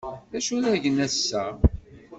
D acu ara gen ass-a?